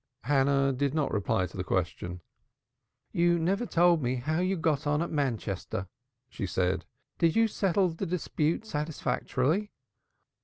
Hannah did not reply to the question. "You never told me how you got on at Manchester," she said. "Did you settle the dispute satisfactorily?"